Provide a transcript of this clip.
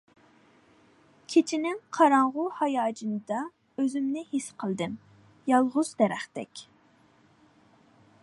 كېچىنىڭ قاراڭغۇ ھاياجىنىدا، ئۆزۈمنى ھېس قىلدىم يالغۇز دەرەختەك.